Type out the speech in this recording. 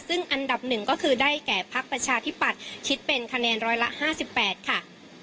ซึ่งอันดับหนึ่งก็คือได้แก่พักประชาธิปัตย์คิดเป็นคะแนนร้อยละ๕๘ค่ะ